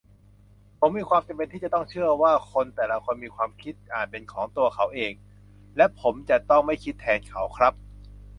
ผมมีความจำเป็นที่จะต้องเชื่อว่า คนแต่ละคนมีความคิดอ่านเป็นของตัวเขาเอง และผมจะต้องไม่คิดแทนเขาครับ